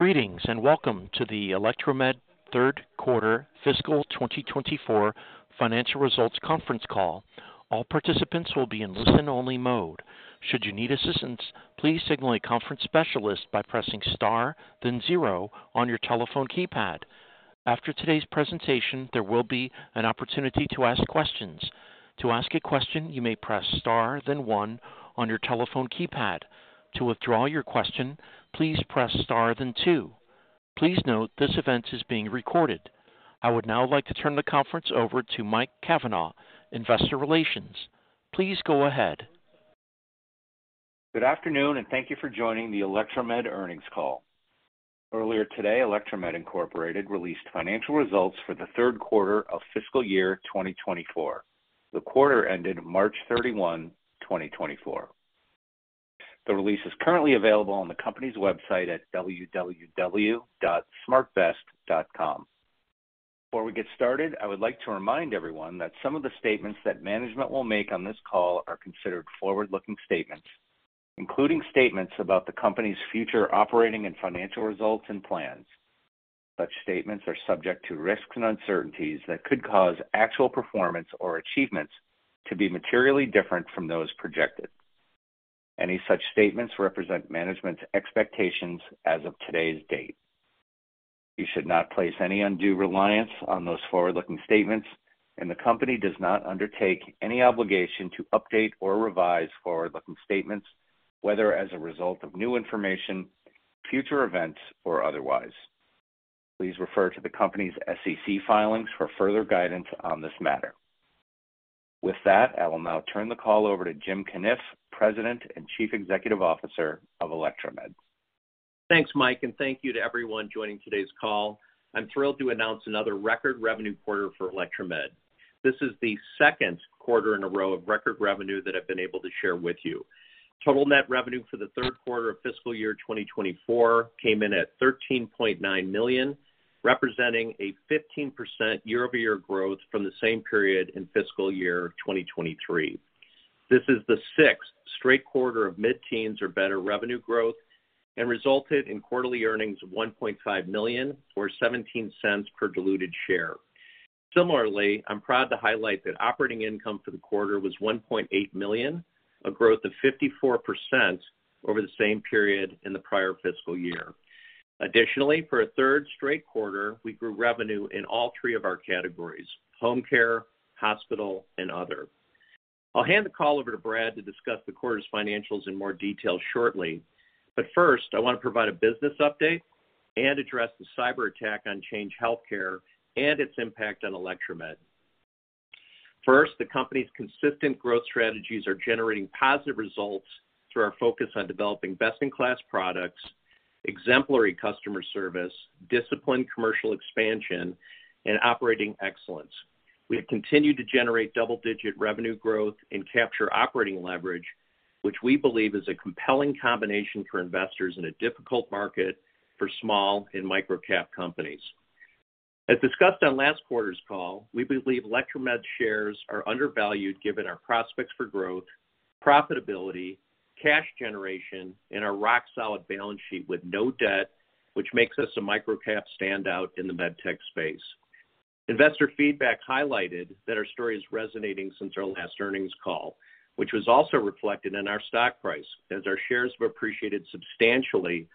Greetings, and welcome to the Electromed Third Quarter Fiscal 2024 Financial Results Conference Call. All participants will be in listen-only mode. Should you need assistance, please signal a conference specialist by pressing Star, then zero on your telephone keypad. After today's presentation, there will be an opportunity to ask questions. To ask a question, you may press Star then one on your telephone keypad. To withdraw your question, please press Star, then two. Please note, this event is being recorded. I would now like to turn the conference over to Mike Cavanaugh, Investor Relations. Please go ahead. Good afternoon, and thank you for joining the Electromed Earnings Call. Earlier today, Electromed Incorporated released financial results for the third quarter of fiscal year 2024. The quarter ended March 31, 2024. The release is currently available on the company's website at www.smartvest.com. Before we get started, I would like to remind everyone that some of the statements that management will make on this call are considered forward-looking statements, including statements about the company's future operating and financial results and plans. Such statements are subject to risks and uncertainties that could cause actual performance or achievements to be materially different from those projected. Any such statements represent management's expectations as of today's date. You should not place any undue reliance on those forward-looking statements, and the company does not undertake any obligation to update or revise forward-looking statements, whether as a result of new information, future events, or otherwise. Please refer to the company's SEC filings for further guidance on this matter. With that, I will now turn the call over to Jim Cunniff, President and Chief Executive Officer of Electromed. Thanks, Mike, and thank you to everyone joining today's call. I'm thrilled to announce another record revenue quarter for Electromed. This is the second quarter in a row of record revenue that I've been able to share with you. Total net revenue for the third quarter of fiscal year 2024 came in at $13.9 million, representing a 15% year-over-year growth from the same period in fiscal year 2023. This is the sixth straight quarter of mid-teens or better revenue growth and resulted in quarterly earnings of $1.5 million, or $0.17 per diluted share. Similarly, I'm proud to highlight that operating income for the quarter was $1.8 million, a growth of 54% over the same period in the prior fiscal year. Additionally, for a third straight quarter, we grew revenue in all three of our categories: home care, hospital, and other. I'll hand the call over to Brad to discuss the quarter's financials in more detail shortly. But first, I want to provide a business update and address the cyberattack on Change Healthcare and its impact on Electromed. First, the company's consistent growth strategies are generating positive results through our focus on developing best-in-class products, exemplary customer service, disciplined commercial expansion, and operating excellence. We have continued to generate double-digit revenue growth and capture operating leverage, which we believe is a compelling combination for investors in a difficult market for small and micro-cap companies. As discussed on last quarter's call, we believe Electromed shares are undervalued given our prospects for growth, profitability, cash generation, and our rock-solid balance sheet with no debt, which makes us a micro-cap standout in the med tech space. Investor feedback highlighted that our story is resonating since our last earnings call, which was also reflected in our stock price, as our shares have appreciated substantially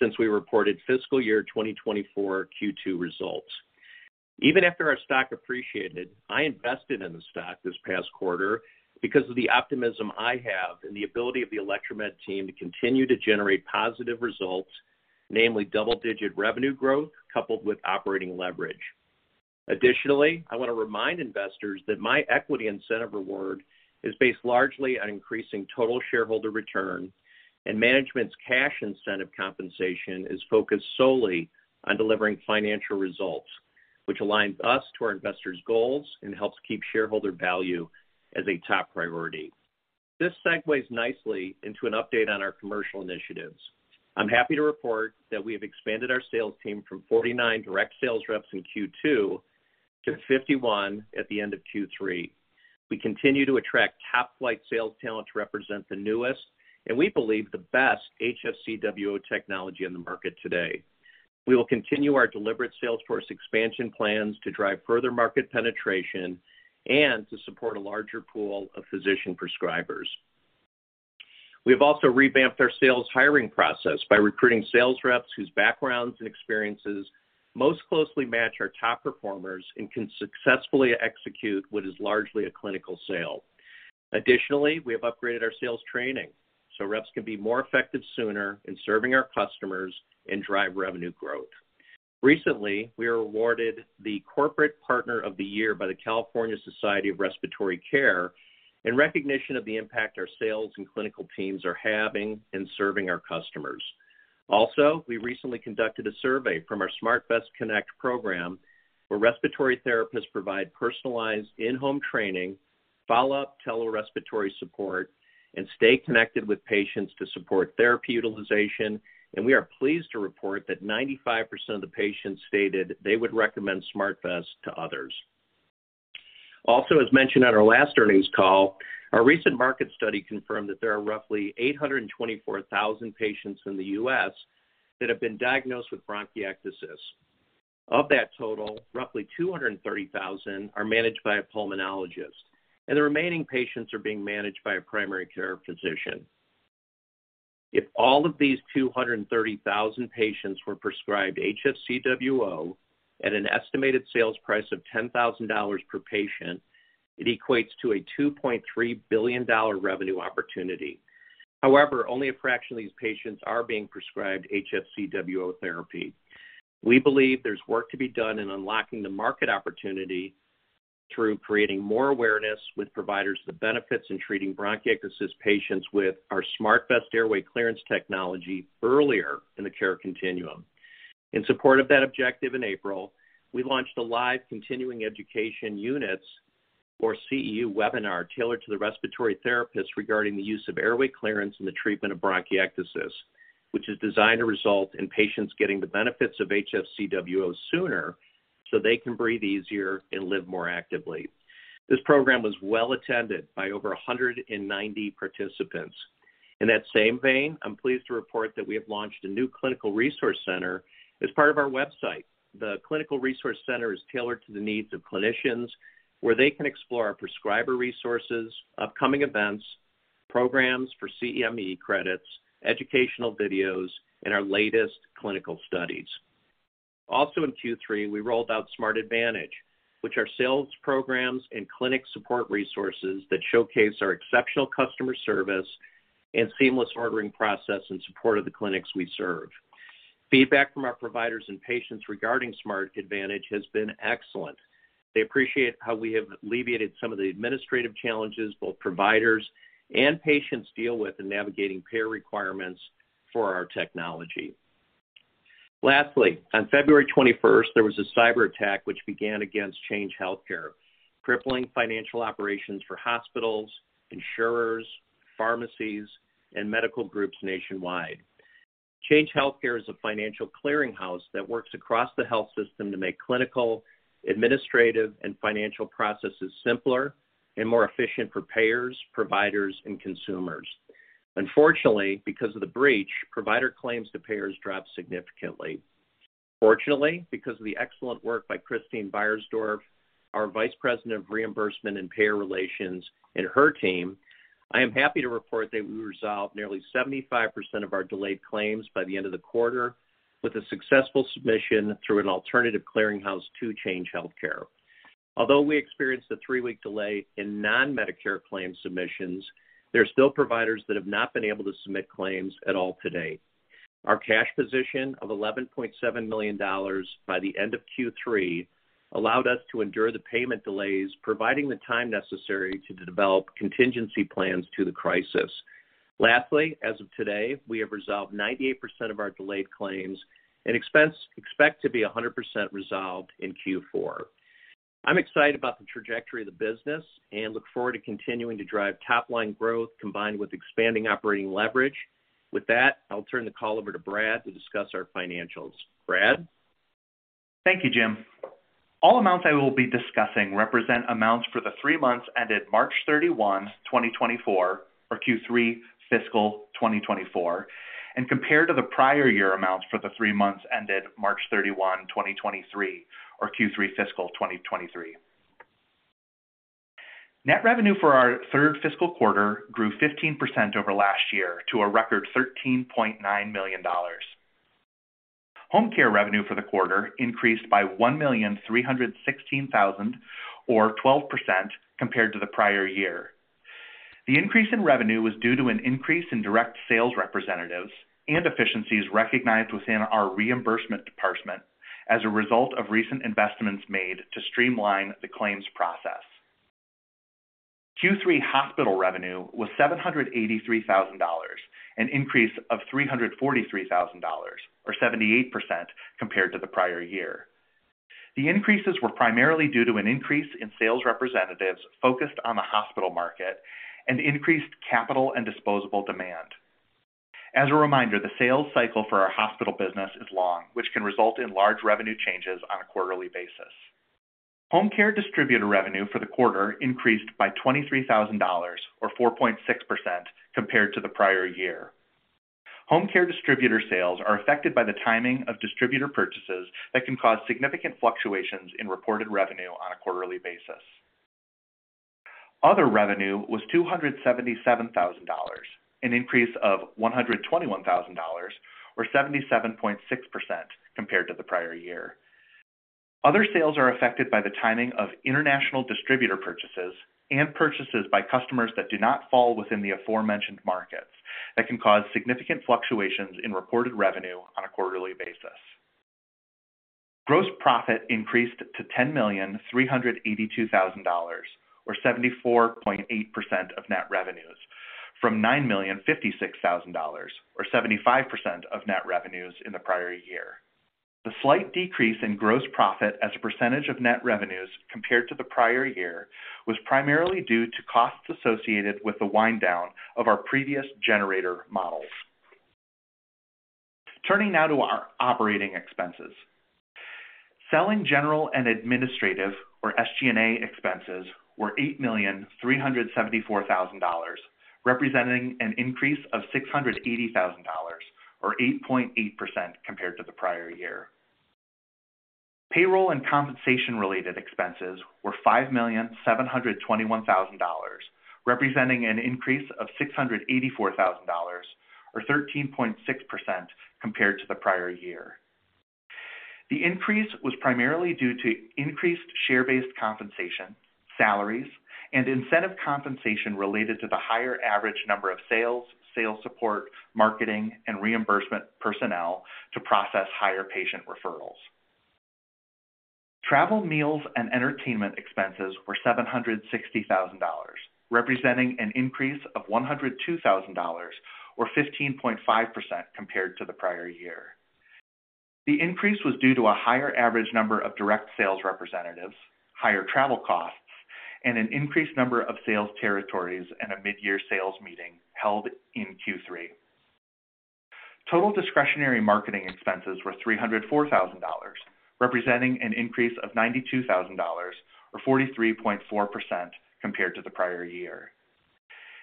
since we reported fiscal year 2024 Q2 results. Even after our stock appreciated, I invested in the stock this past quarter because of the optimism I have in the ability of the Electromed team to continue to generate positive results, namely double-digit revenue growth coupled with operating leverage. Additionally, I want to remind investors that my equity incentive reward is based largely on increasing total shareholder return, and management's cash incentive compensation is focused solely on delivering financial results, which aligns us to our investors' goals and helps keep shareholder value as a top priority. This segues nicely into an update on our commercial initiatives. I'm happy to report that we have expanded our sales team from 49 direct sales reps in Q2 to 51 at the end of Q3. We continue to attract top-flight sales talent to represent the newest, and we believe the best HFCWO technology on the market today. We will continue our deliberate sales force expansion plans to drive further market penetration and to support a larger pool of physician prescribers. We have also revamped our sales hiring process by recruiting sales reps whose backgrounds and experiences most closely match our top performers and can successfully execute what is largely a clinical sale. Additionally, we have upgraded our sales training so reps can be more effective sooner in serving our customers and drive revenue growth. Recently, we were awarded the Corporate Partner of the Year by the California Society for Respiratory Care in recognition of the impact our sales and clinical teams are having in serving our customers. Also, we recently conducted a survey from our SmartVest Connect program, where respiratory therapists provide personalized in-home training, follow-up tele-respiratory support, and stay connected with patients to support therapy utilization, and we are pleased to report that 95% of the patients stated they would recommend SmartVest to others. Also, as mentioned on our last earnings call, our recent market study confirmed that there are roughly 824,000 patients in the U.S. that have been diagnosed with bronchiectasis. Of that total, roughly 230,000 are managed by a pulmonologist, and the remaining patients are being managed by a primary care physician. If all of these 230,000 patients were prescribed HFCWO at an estimated sales price of $10,000 per patient, it equates to a $2.3 billion revenue opportunity. However, only a fraction of these patients are being prescribed HFCWO therapy. We believe there's work to be done in unlocking the market opportunity through creating more awareness with providers of the benefits in treating bronchiectasis patients with our SmartVest airway clearance technology earlier in the care continuum. In support of that objective in April, we launched a live continuing education units or CEU webinar tailored to the respiratory therapists regarding the use of airway clearance in the treatment of bronchiectasis, which is designed to result in patients getting the benefits of HFCWO sooner, so they can breathe easier and live more actively. This program was well attended by over 190 participants. In that same vein, I'm pleased to report that we have launched a new clinical resource center as part of our website. The clinical resource center is tailored to the needs of clinicians, where they can explore our prescriber resources, upcoming events, programs for CME credits, educational videos, and our latest clinical studies. Also in Q3, we rolled out Smart Advantage, which are sales programs and clinic support resources that showcase our exceptional customer service and seamless ordering process in support of the clinics we serve. Feedback from our providers and patients regarding Smart Advantage has been excellent. They appreciate how we have alleviated some of the administrative challenges both providers and patients deal with in navigating payer requirements for our technology. Lastly, on February twenty-first, there was a cyberattack which began against Change Healthcare, crippling financial operations for hospitals, insurers, pharmacies, and medical groups nationwide. Change Healthcare is a financial clearinghouse that works across the health system to make clinical, administrative, and financial processes simpler and more efficient for payers, providers, and consumers. Unfortunately, because of the breach, provider claims to payers dropped significantly. Fortunately, because of the excellent work by Kristine Beyersdorf, our Vice President of Reimbursement and Payer Relations, and her team, I am happy to report that we resolved nearly 75% of our delayed claims by the end of the quarter with a successful submission through an alternative clearinghouse to Change Healthcare. Although we experienced a 3-week delay in non-Medicare claim submissions, there are still providers that have not been able to submit claims at all today. Our cash position of $11.7 million by the end of Q3 allowed us to endure the payment delays, providing the time necessary to develop contingency plans to the crisis. Lastly, as of today, we have resolved 98% of our delayed claims and expect to be 100% resolved in Q4. I'm excited about the trajectory of the business and look forward to continuing to drive top-line growth, combined with expanding operating leverage. With that, I'll turn the call over to Brad to discuss our financials. Brad? Thank you, Jim. All amounts I will be discussing represent amounts for the three months ended March 31, 2024, or Q3 fiscal 2024, and compared to the prior year amounts for the three months ended March 31, 2023 or Q3 fiscal 2023. Net revenue for our third fiscal quarter grew 15% over last year to a record $13.9 million. Home care revenue for the quarter increased by $1,316,000, or 12% compared to the prior year. The increase in revenue was due to an increase in direct sales representatives and efficiencies recognized within our reimbursement department as a result of recent investments made to streamline the claims process. Q3 hospital revenue was $783,000, an increase of $343,000, or 78% compared to the prior year. The increases were primarily due to an increase in sales representatives focused on the hospital market and increased capital and disposable demand. As a reminder, the sales cycle for our hospital business is long, which can result in large revenue changes on a quarterly basis. Home care distributor revenue for the quarter increased by $23,000, or 4.6% compared to the prior year. Home care distributor sales are affected by the timing of distributor purchases that can cause significant fluctuations in reported revenue on a quarterly basis. Other revenue was $277,000, an increase of $121,000, or 77.6% compared to the prior year. Other sales are affected by the timing of international distributor purchases and purchases by customers that do not fall within the aforementioned markets that can cause significant fluctuations in reported revenue on a quarterly basis. Gross profit increased to $10,382,000 or 74.8% of net revenues, from $9,056,000 or 75% of net revenues in the prior year. The slight decrease in gross profit as a percentage of net revenues compared to the prior year, was primarily due to costs associated with the wind down of our previous generator models.... Turning now to our operating expenses. Selling general and administrative, or SG&A expenses, were $8,374,000, representing an increase of $680,000, or 8.8% compared to the prior year. Payroll and compensation-related expenses were $5,721,000, representing an increase of $684,000, or 13.6% compared to the prior year. The increase was primarily due to increased share-based compensation, salaries, and incentive compensation related to the higher average number of sales, sales support, marketing, and reimbursement personnel to process higher patient referrals. Travel, meals, and entertainment expenses were $760,000, representing an increase of $102,000, or 15.5% compared to the prior year. The increase was due to a higher average number of direct sales representatives, higher travel costs, and an increased number of sales territories, and a midyear sales meeting held in Q3. Total discretionary marketing expenses were $304,000, representing an increase of $92,000, or 43.4% compared to the prior year.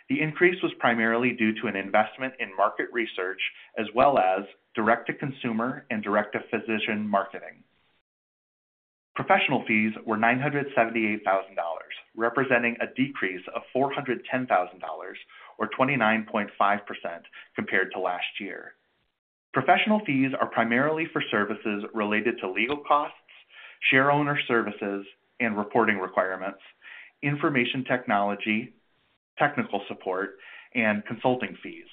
The increase was primarily due to an investment in market research, as well as direct-to-consumer and direct-to-physician marketing. Professional fees were $978,000, representing a decrease of $410,000, or 29.5% compared to last year. Professional fees are primarily for services related to legal costs, share owner services and reporting requirements, information technology, technical support, and consulting fees.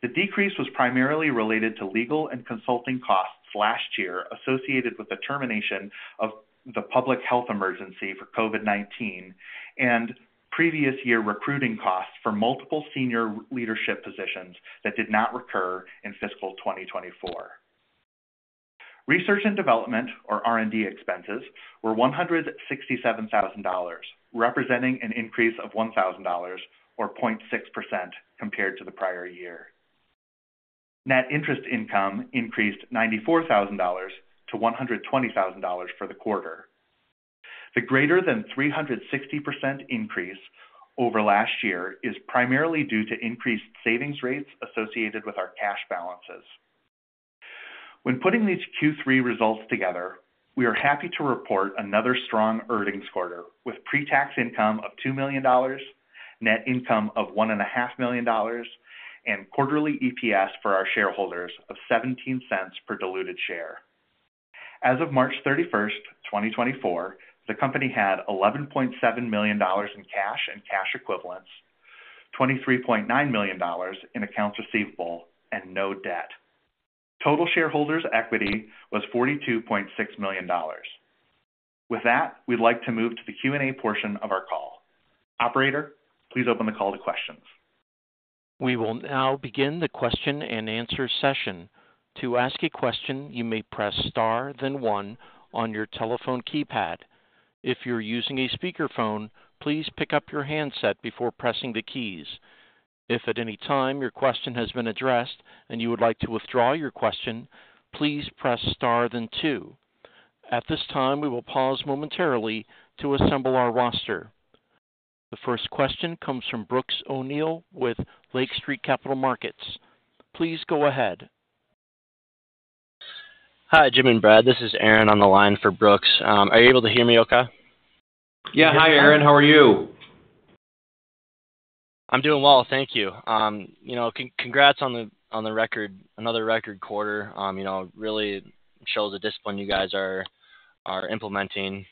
The decrease was primarily related to legal and consulting costs last year, associated with the termination of the public health emergency for COVID-19 and previous year recruiting costs for multiple senior leadership positions that did not recur in fiscal 2024. Research and development, or R&D expenses, were $167,000, representing an increase of $1,000, or 0.6% compared to the prior year. Net interest income increased $94,000 to $120,000 for the quarter. The greater than 360% increase over last year is primarily due to increased savings rates associated with our cash balances. When putting these Q3 results together, we are happy to report another strong earnings quarter, with pre-tax income of $2 million, net income of $1.5 million, and quarterly EPS for our shareholders of $0.17 per diluted share. As of March 31, 2024, the company had $11.7 million in cash and cash equivalents, $23.9 million in accounts receivable, and no debt. Total shareholders' equity was $42.6 million. With that, we'd like to move to the Q&A portion of our call. Operator, please open the call to questions. We will now begin the question-and-answer session. To ask a question, you may press star, then one on your telephone keypad. If you're using a speakerphone, please pick up your handset before pressing the keys. If at any time your question has been addressed and you would like to withdraw your question, please press star, then two. At this time, we will pause momentarily to assemble our roster. The first question comes from Brooks O'Neil with Lake Street Capital Markets. Please go ahead. Hi, Jim and Brad. This is Aaron on the line for Brooks. Are you able to hear me okay? Yeah. Hi, Aaron. How are you? I'm doing well. Thank you. You know, congrats on the, on the record... Another record quarter. You know, really shows the discipline you guys are implementing.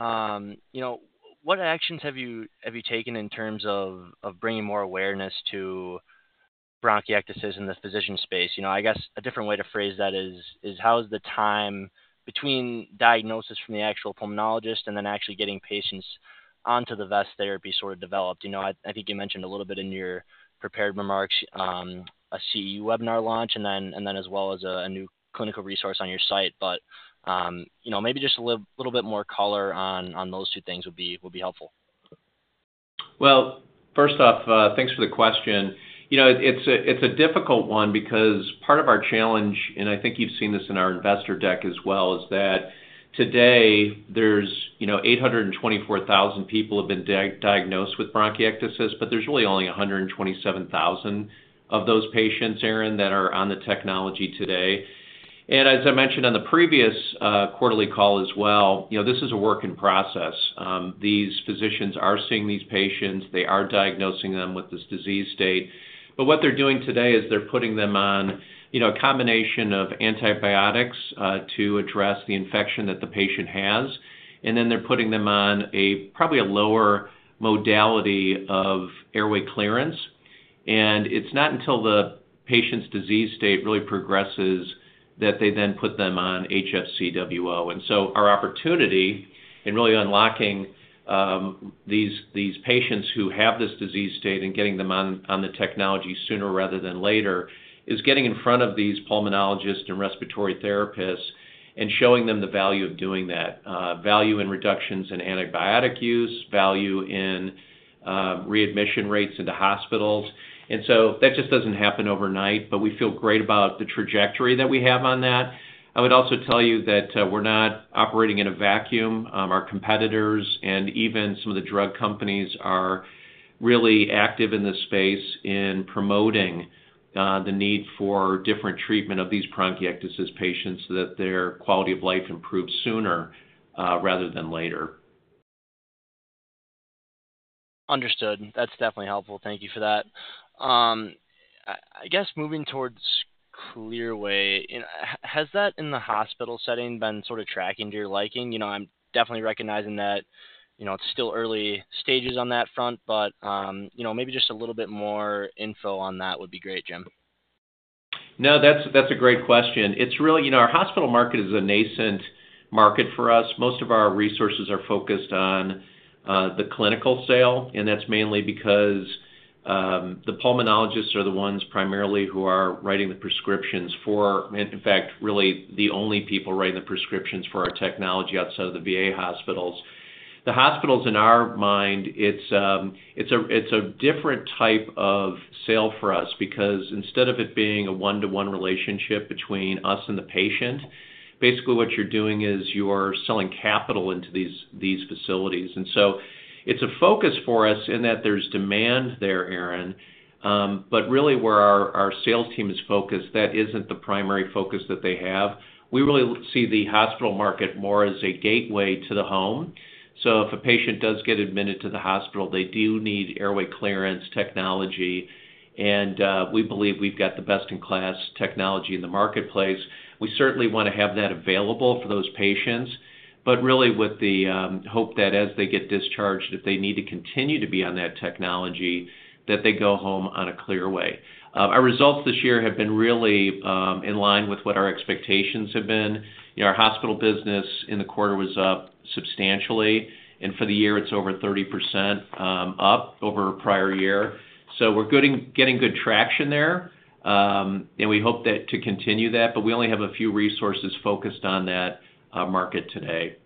You know, just to start, I guess, you know, what actions have you taken in terms of bringing more awareness to bronchiectasis in the physician space? You know, I guess a different way to phrase that is how is the time between diagnosis from the actual pulmonologist and then actually getting patients onto the vest therapy sort of developed? You know, I think you mentioned a little bit in your prepared remarks, a CE webinar launch and then as well as a new clinical resource on your site. You know, maybe just a little bit more color on those two things would be helpful. Well, first off, thanks for the question. You know, it's a difficult one because part of our challenge, and I think you've seen this in our investor deck as well, is that today there's, you know, 824,000 people have been diagnosed with bronchiectasis, but there's really only 127,000 of those patients, Aaron, that are on the technology today. And as I mentioned on the previous quarterly call as well, you know, this is a work in process. These physicians are seeing these patients. They are diagnosing them with this disease state, but what they're doing today is they're putting them on, you know, a combination of antibiotics to address the infection that the patient has, and then they're putting them on probably a lower modality of airway clearance. It's not until the patient's disease state really progresses that they then put them on HFCWO. So our opportunity-... and really unlocking these, these patients who have this disease state and getting them on, on the technology sooner rather than later, is getting in front of these pulmonologists and respiratory therapists and showing them the value of doing that. Value in reductions in antibiotic use, value in readmission rates into hospitals. And so that just doesn't happen overnight, but we feel great about the trajectory that we have on that. I would also tell you that, we're not operating in a vacuum. Our competitors and even some of the drug companies are really active in this space in promoting the need for different treatment of these bronchiectasis patients so that their quality of life improves sooner rather than later. Understood. That's definitely helpful. Thank you for that. I guess moving towards Clearway, and has that in the hospital setting been sort of tracking to your liking? You know, I'm definitely recognizing that, you know, it's still early stages on that front, but, you know, maybe just a little bit more info on that would be great, Jim. No, that's, that's a great question. It's really, you know, our hospital market is a nascent market for us. Most of our resources are focused on the clinical sale, and that's mainly because the pulmonologists are the ones primarily who are writing the prescriptions for... and in fact, really the only people writing the prescriptions for our technology outside of the VA hospitals. The hospitals, in our mind, it's, it's a, it's a different type of sale for us. Because instead of it being a one-to-one relationship between us and the patient, basically what you're doing is you are selling capital into these, these facilities. And so it's a focus for us in that there's demand there, Aaron, but really, where our, our sales team is focused, that isn't the primary focus that they have. We really see the hospital market more as a gateway to the home. So if a patient does get admitted to the hospital, they do need airway clearance technology, and we believe we've got the best-in-class technology in the marketplace. We certainly want to have that available for those patients, but really with the hope that as they get discharged, if they need to continue to be on that technology, that they go home on a Clearway. Our results this year have been really in line with what our expectations have been. You know, our hospital business in the quarter was up substantially, and for the year it's over 30% up over prior year. So we're getting good traction there. And we hope that to continue that, but we only have a few resources focused on that market today.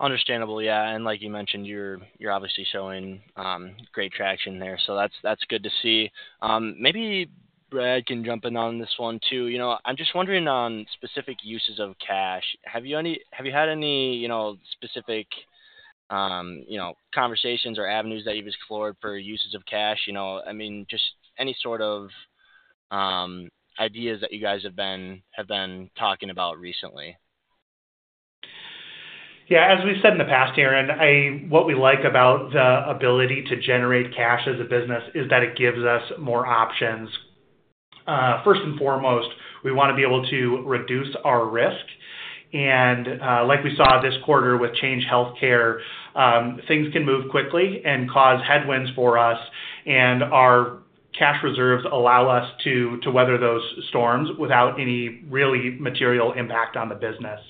Understandable. Yeah, and like you mentioned, you're, you're obviously showing great traction there, so that's, that's good to see. Maybe Brad can jump in on this one, too. You know, I'm just wondering on specific uses of cash. Have you had any, you know, specific, you know, conversations or avenues that you've explored for uses of cash? You know, I mean, just any sort of ideas that you guys have been, have been talking about recently. Yeah, as we've said in the past, Aaron, what we like about the ability to generate cash as a business is that it gives us more options. First and foremost, we want to be able to reduce our risk. Like we saw this quarter with Change Healthcare, things can move quickly and cause headwinds for us, and our cash reserves allow us to weather those storms without any really material impact on the business.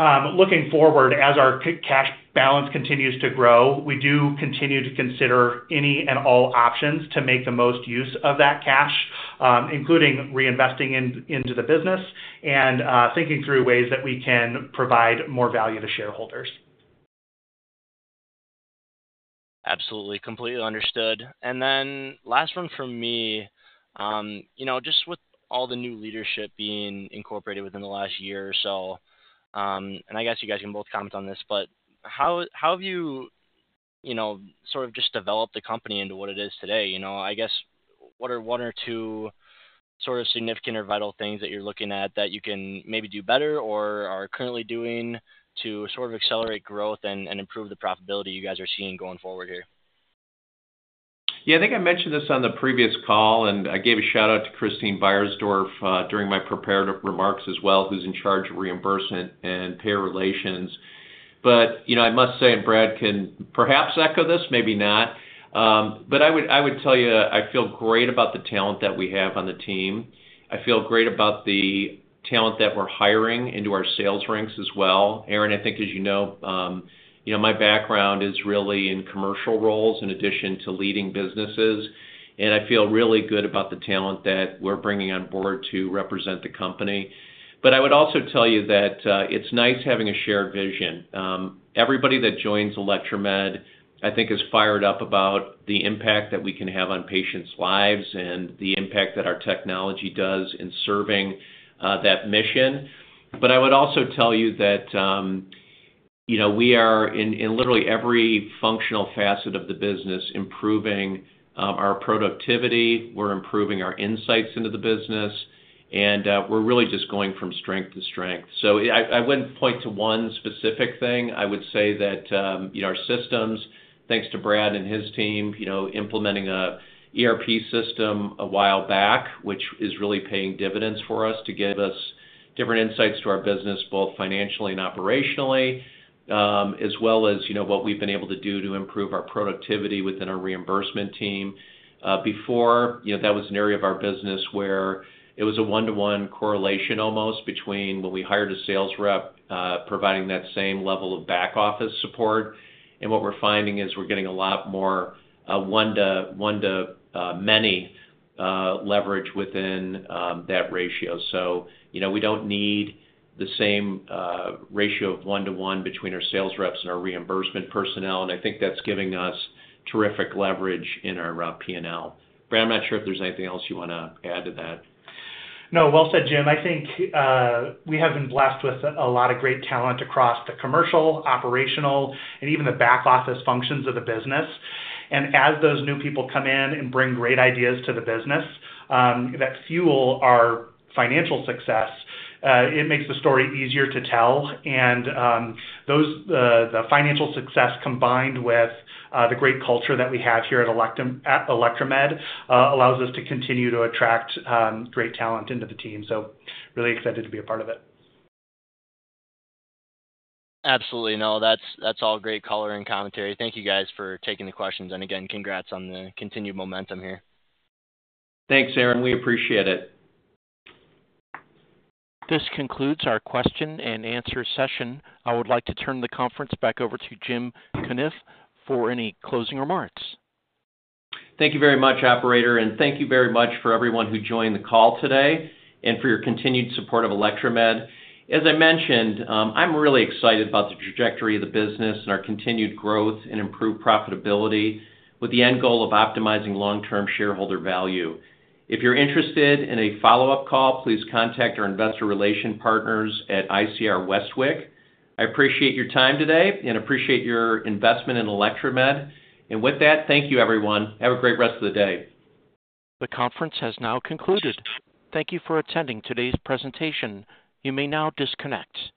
Looking forward, as our cash balance continues to grow, we do continue to consider any and all options to make the most use of that cash, including reinvesting into the business and thinking through ways that we can provide more value to shareholders. Absolutely. Completely understood. And then last one from me. You know, just with all the new leadership being incorporated within the last year or so, and I guess you guys can both comment on this, but how have you, you know, sort of just developed the company into what it is today? You know, I guess, what are one or two sort of significant or vital things that you're looking at that you can maybe do better or are currently doing to sort of accelerate growth and improve the profitability you guys are seeing going forward here? Yeah, I think I mentioned this on the previous call, and I gave a shout-out to Kristine Beyersdorf during my prepared remarks as well, who's in charge of reimbursement and payer relations. But, you know, I must say, and Brad can perhaps echo this, maybe not, but I would, I would tell you, I feel great about the talent that we have on the team. I feel great about the talent that we're hiring into our sales ranks as well. Aaron, I think as you know, you know, my background is really in commercial roles in addition to leading businesses, and I feel really good about the talent that we're bringing on board to represent the company. But I would also tell you that, it's nice having a shared vision. Everybody that joins Electromed, I think, is fired up about the impact that we can have on patients' lives and the impact that our technology does in serving that mission. But I would also tell you that, you know, we are in literally every functional facet of the business, improving our productivity, we're improving our insights into the business, and we're really just going from strength to strength. So I wouldn't point to one specific thing. I would say that, you know, our systems, thanks to Brad and his team, you know, implementing an ERP system a while back, which is really paying dividends for us to give us different insights to our business, both financially and operationally, as well as, you know, what we've been able to do to improve our productivity within our reimbursement team. Before, you know, that was an area of our business where it was a 1-to-1 correlation almost between when we hired a sales rep, providing that same level of back office support. And what we're finding is we're getting a lot more 1-to-many leverage within that ratio. So, you know, we don't need the same ratio of 1-to-1 between our sales reps and our reimbursement personnel, and I think that's giving us terrific leverage in our P&L. Brad, I'm not sure if there's anything else you wanna add to that. No, well said, Jim. I think we have been blessed with a lot of great talent across the commercial, operational, and even the back office functions of the business. And as those new people come in and bring great ideas to the business that fuel our financial success, it makes the story easier to tell. And the financial success, combined with the great culture that we have here at Electromed, allows us to continue to attract great talent into the team. So really excited to be a part of it. Absolutely. No, that's, that's all great color and commentary. Thank you, guys, for taking the questions. And again, congrats on the continued momentum here. Thanks, Aaron. We appreciate it. This concludes our question and answer session. I would like to turn the conference back over to Jim Cunniff for any closing remarks. Thank you very much, operator, and thank you very much for everyone who joined the call today and for your continued support of Electromed. As I mentioned, I'm really excited about the trajectory of the business and our continued growth and improved profitability, with the end goal of optimizing long-term shareholder value. If you're interested in a follow-up call, please contact our investor relation partners at ICR Westwicke. I appreciate your time today and appreciate your investment in Electromed. And with that, thank you, everyone. Have a great rest of the day. The conference has now concluded. Thank you for attending today's presentation. You may now disconnect.